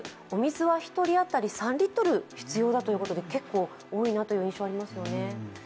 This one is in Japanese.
お水は１人当たり３リットル必要だということで結構、多いなという印象がありますよね。